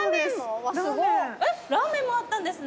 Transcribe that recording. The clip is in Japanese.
えっラーメンもあったんですね。